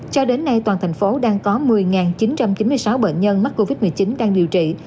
cho đến nay toàn thành phố đang có một mươi chín trăm chín mươi sáu bệnh nhân mắc covid một mươi chín đang điều trị